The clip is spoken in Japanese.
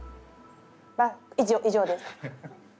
以上以上です。